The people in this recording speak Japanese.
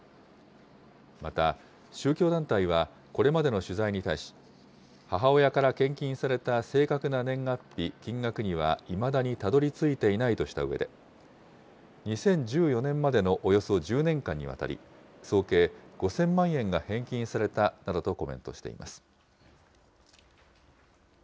また、宗教団体はこれまでの取材に対し、母親から献金された正確な年月日、金額にはいまだにたどりついていないとしたうえで、２０１４年までのおよそ１０年間にわたり、総計５０００万円が返金されたなどとコメントしています。